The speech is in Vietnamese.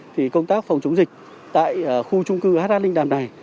thì công tác phòng chống dịch tại khu trung cư h hai linh đàm này